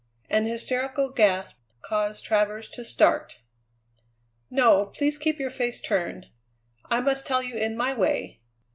An hysterical gasp caused Travers to start. "No, please keep your face turned. I must tell you in my way.